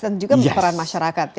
dan juga peran masyarakat